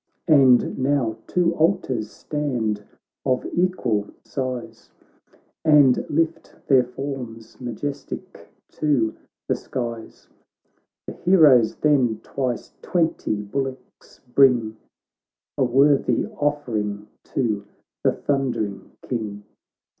And now two altars stand of equal size, And lift their forms majestic to the skies ; The heroes then twice twenty bullocks bring, A worthy offeringto the thundering King.